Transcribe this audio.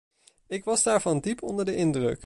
Ik was daarvan diep onder de indruk.